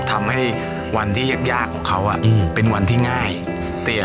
ทำให้วันที่ยากของเขาเป็นวันที่ง่าย